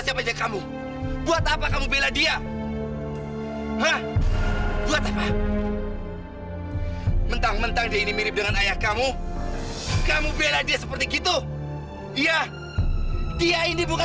sampai jumpa di video selanjutnya